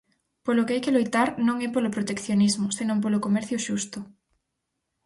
Polo que hai que loitar non é polo proteccionismo, senón polo comercio xusto.